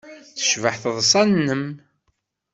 Tecbeḥ teḍsa-nnem.